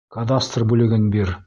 Кадастр бүлеген бир!..